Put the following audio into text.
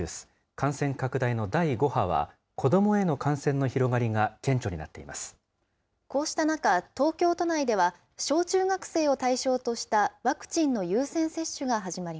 感染拡大の第５波は、子どもへの感染の広がりが顕著になっていまこうした中、東京都内では小中学生を対象としたワクチンの優先接種が始まり